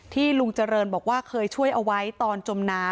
ลุงเจริญบอกว่าเคยช่วยเอาไว้ตอนจมน้ำ